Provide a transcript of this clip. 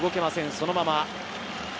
そのまま。